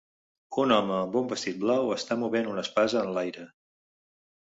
Un home amb un vestit blau està movent una espasa en l'aire.